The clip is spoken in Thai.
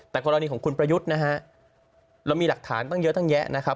แต่กรณีของคุณประยุทธ์นะฮะเรามีหลักฐานตั้งเยอะตั้งแยะนะครับ